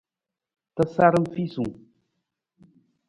Tasaram fiisung.